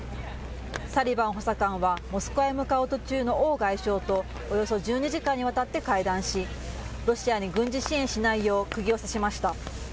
サリバン補佐官はモスクワへ向かう途中の王外相とおよそ１２時間にわたって会談し、ロシアに軍事支援しないようくぎを刺しました。